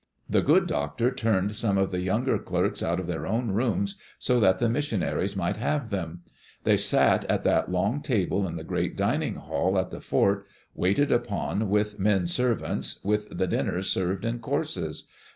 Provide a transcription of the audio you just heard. The good doctor turned some of the younger clerks out of their own rooms so that the missionaries might have them. They sat at that long table in the great dining hall at the fort, waited upon with men servants, with the dinners served in courses.